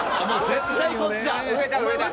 絶対こっち。